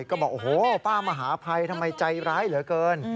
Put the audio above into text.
ก็บอกโอ้โหป้ามหาภัยทำไมใจร้ายเหลือเกิน